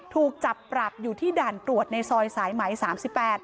ถูกจับปรับอยู่ที่ด่านตรวจในซอยสายไหม๓๘